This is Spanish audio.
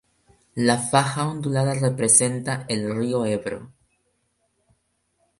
La faja ondulada representa el río Ebro.